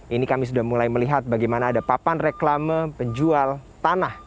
ini kami sudah mulai melihat bagaimana ada papan reklame penjual tanah